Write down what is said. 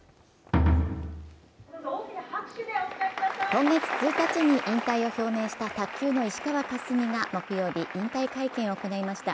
今月１日に引退を表明した卓球の石川佳純が木曜日、引退会見を行いました。